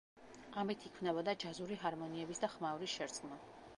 ამით იქმნებოდა ჯაზური ჰარმონიების და ხმაურის შერწყმა.